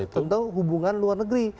tentu hubungan luar negeri